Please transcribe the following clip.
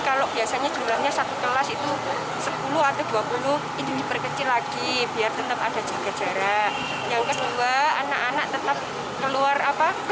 kalau biasanya jumlahnya satu kelas itu sepuluh atau dua puluh ini diperkecil lagi biar tetap ada jaga jarak